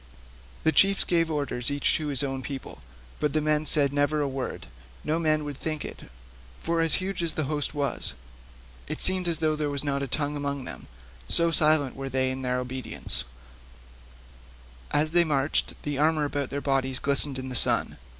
The chiefs gave orders each to his own people, but the men said never a word; no man would think it, for huge as the host was, it seemed as though there was not a tongue among them, so silent were they in their obedience; and as they marched the armour about their bodies glistened in the sun.